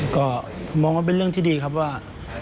ก็มองว่าเป็นเรื่องที่ดีครับว่า